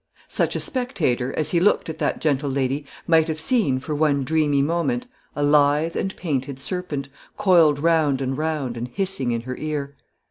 Such a spectator, as he looked at that gentle lady, might have seen, for one dreamy moment, a lithe and painted serpent, coiled round and round, and hissing in her ear.